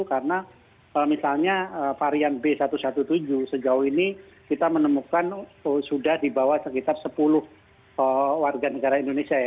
karena misalnya varian b satu ratus tujuh belas sejauh ini kita menemukan sudah di bawah sekitar sepuluh warga negara indonesia ya